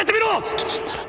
好きなんだろ？